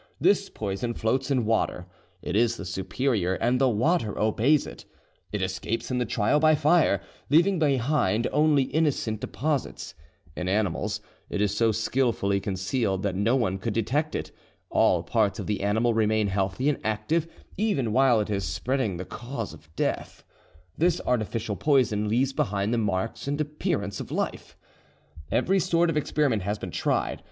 This poison floats in water, it is the superior, and the water obeys it; it escapes in the trial by fire, leaving behind only innocent deposits; in animals it is so skilfully concealed that no one could detect it; all parts of the animal remain healthy and active; even while it is spreading the cause of death, this artificial poison leaves behind the marks and appearance of life. Every sort of experiment has been tried.